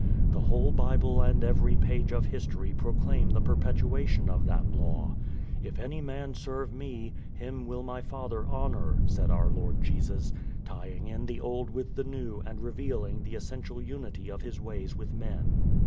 The whole Bible and every page of history proclaim the perpetuation of that law. "If any man serve me, him will my Father honour," said our Lord Jesus, tying in the old with the new and revealing the essential unity of His ways with men.